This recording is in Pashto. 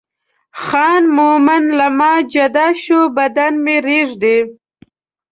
خان مومن له ما جدا شو بدن مې رېږدي.